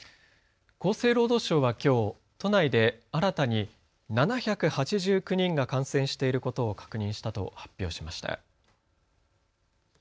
厚生労働省はきょう都内で新たに７８９人が感染していることを確認したと発表しました。